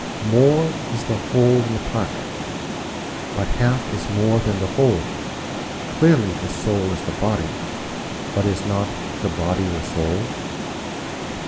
More is the whole than a part: but half is more than the whole: Clearly, the soul is the body: but is not the body the soul?